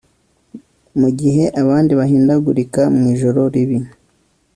mugihe abandi bahindagurika mu ijoro ribi